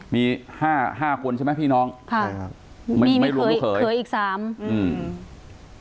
มีห้าห้าคนใช่ไหมพี่น้องค่ะมีไม่รู้หรือเผยเผยอีกสามอืม